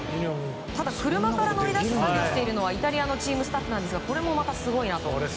車から乗り出して作業しているのはイタリアのスタッフですがこれもまたすごいなと。